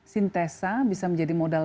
sintesa bisa menjadi modal